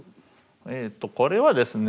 えっとこれはですね